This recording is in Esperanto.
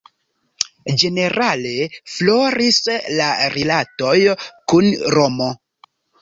Ĝenerale floris la rilatoj kun Romo.